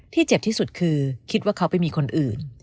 เจ็บที่สุดคือคิดว่าเขาไปมีคนอื่น